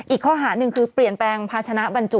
อีกข้อหาหนึ่งคือเปลี่ยนแปลงภาชนะบรรจุ